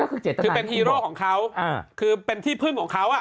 คือเป็นฮีโร่ของเขาอ่ะคือเป็นที่พึ่งของเขาอ่ะ